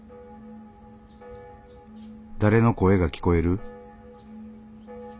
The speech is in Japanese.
誰の声が聞こえる？